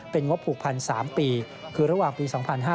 เป็นงบผูกพัน๓ปีคือระหว่างปี๒๕๕๙